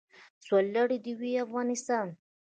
سر لوړی د وي افغانستان.